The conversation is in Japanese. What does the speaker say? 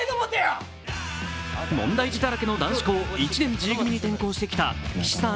問題児だらけの男子校、１年Ｇ組に転校してきた、岸優太さん